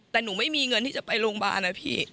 แต่หนูไม่มีเงินที่จะไปโรงพยาบาลนะพี่